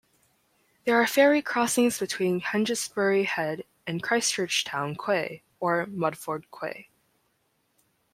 There are ferry crossings between Hengistbury Head and Christchurch town quay or Mudeford Quay.